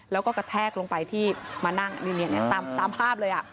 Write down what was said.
แล้วก็กระแทกลงไปที่มานั่งตามภาพเลย